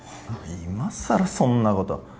いまさらそんなこと。